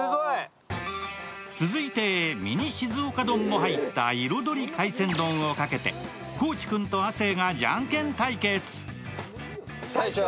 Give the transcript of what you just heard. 続いてミニ静岡丼も入った彩り海鮮丼をかけて高地君と亜生がじゃんけん対決。